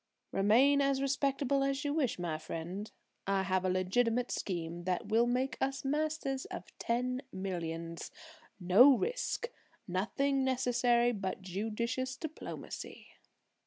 "Remain as respectable as you wish, my friend; I have a legitimate scheme that will make us masters of ten millions! No risk; nothing necessary but judicious diplomacy."